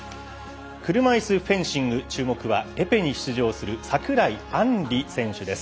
車いすフェンシング注目はエペに出場する櫻井杏理選手です。